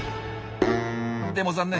でも残念。